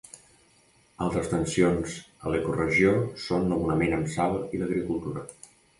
Altres tensions a l'ecoregió són l'abonament amb sal i l'agricultura.